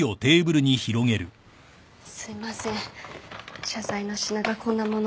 すいません謝罪の品がこんな物で。